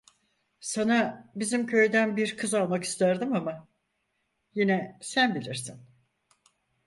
Sana bizim köyden bir kız almak isterdim ama, yine sen bilirsin…